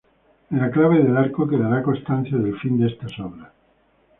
En la clave del arco quedará constancia del fin de estas obras.